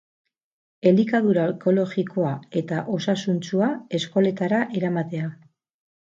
Elikadura ekologikoa eta osasuntsua eskoletara eramatea.